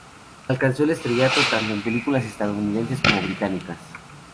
Alcanzó el estrellato tanto en películas estadounidenses como británicas.